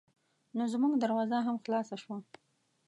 نو زمونږ دروازه هم خلاصه شوه.